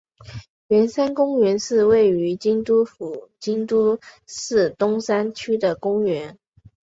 圆山公园是位在京都府京都市东山区的公园。